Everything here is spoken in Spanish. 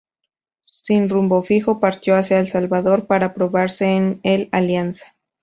Sin rumbo fijo, partió hacia El Salvador para probarse en el Alianza.